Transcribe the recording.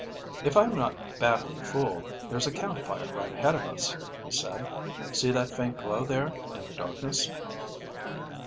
"If I am not badly fooled, there's a campfire right ahead of us," he said. "See that faint glow there in the darkness."